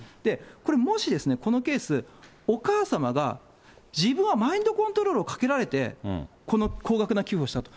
これもし、このケース、お母様が、自分はマインドコントロールをかけられて、この高額な寄付をしたと。